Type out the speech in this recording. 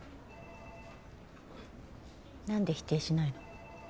なんで否定しないの？